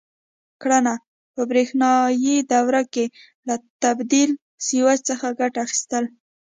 کړنه: په برېښنایي دوره کې له تبدیل سویچ څخه ګټه اخیستل: